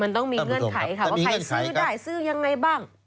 มันต้องมีเงื่อนไขค่ะว่าใครซื้อได้ซื้อยังไงบ้าง